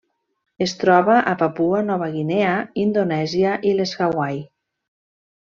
Es troba a Papua Nova Guinea, Indonèsia i les Hawaii.